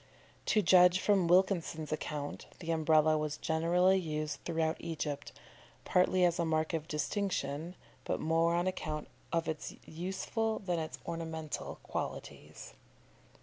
To judge from Wilkinson's account, the Umbrella was generally used throughout Egypt, partly as a mark of distinction, but more on account of its useful than its ornamental qualities.